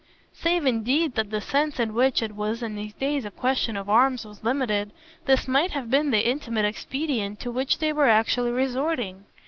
Save indeed that the sense in which it was in these days a question of arms was limited, this might have been the intimate expedient to which they were actually resorting.